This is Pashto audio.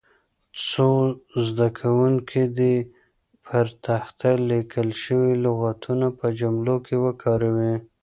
څو زده کوونکي دې پر تخته لیکل شوي لغتونه په جملو کې وکاروي.